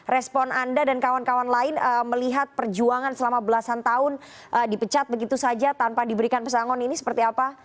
respon anda dan kawan kawan lain melihat perjuangan selama belasan tahun dipecat begitu saja tanpa diberikan pesangon ini seperti apa